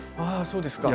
そうですか！